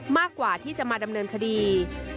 มากกว่าที่จะมาดำเนินคดี